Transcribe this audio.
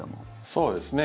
そうですね。